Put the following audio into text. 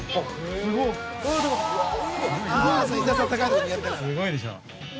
◆すごいでしょう？